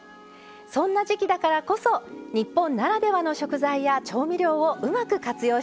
そんな時季だからこそ日本ならではの食材や調味料をうまく活用したいもの。